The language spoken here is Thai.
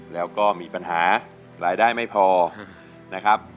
แล้วก็มีปัญหารายได้ไม่พอนะครับ